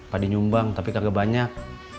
padi nyumbang tapi kagak banyak